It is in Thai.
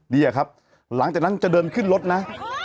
นี่ครับหลังจากนั้นจะเดินขึ้นรถนะ